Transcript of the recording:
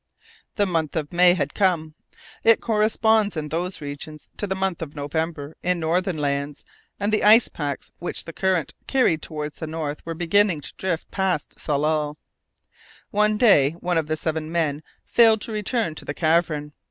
The month of May had come it corresponds in those regions to the month of November in northern lands and the ice packs which the current carried towards the north were beginning to drift past Tsalal. One day, one of the seven men failed to return to the cavern.